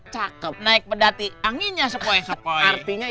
cakep naik pedati anginnya sepoi sepoi artinya